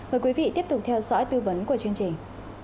mời quý vị tiếp tục theo dõi tư vấn của chương trình